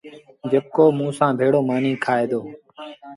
جيڪو موٚنٚ سآݩٚ ڀيڙو مآݩيٚ کآئي دو